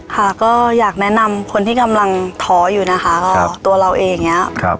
ค่ะก็อยากแนะนำคนที่กำลังท้ออยู่นะคะก็ตัวเราเองอย่างนี้